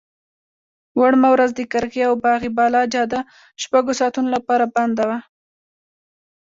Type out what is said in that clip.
وړمه ورځ د قرغې او باغ بالا جاده شپږو ساعتونو لپاره بنده وه.